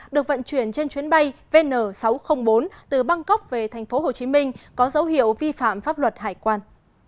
được vận chuyển trên chuyến bay vn sáu trăm linh bốn từ bangkok về tp hcm có dấu hiệu vi phạm pháp luật hải quan